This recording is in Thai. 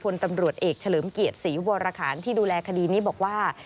พลตำรวจเอกเฉลิมเกียรติศรีวรคารที่ดูแลคดีนี้บอกว่า